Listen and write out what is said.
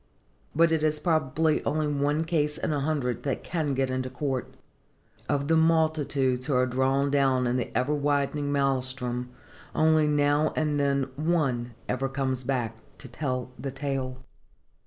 But it is probably only one case in a hundred that can get into court:—of the multitudes who are drawn down in the ever widening maëlstrom only now and then one ever comes back to tell the tale.